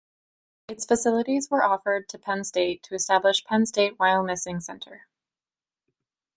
Its facilities were offered to Penn State to establish Penn State Wyomissing Center.